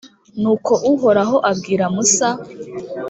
nuko uhoraho abwira musa.